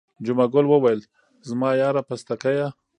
جمعه ګل وویل زما یاره پستکیه.